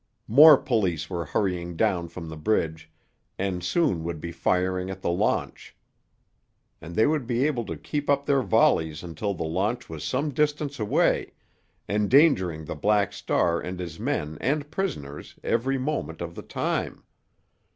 More police were hurrying down from the bridge, and soon would be firing at the launch. And they would be able to keep up their volleys until the launch was some distance away, endangering the Black Star and his men and prisoners every moment of the time.